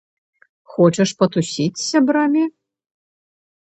Хочаш патусіць з сябрамі?